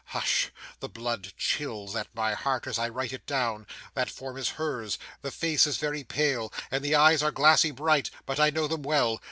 Hush! the blood chills at my heart as I write it down that form is her's; the face is very pale, and the eyes are glassy bright; but I know them well.